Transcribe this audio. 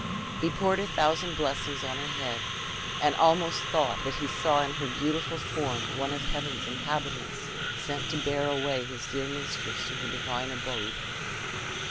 He poured a thousand blessings on her head, and almost thought that he saw in her beautiful form one of heaven's inhabitants sent to bear away his dear mistress to her divine abode.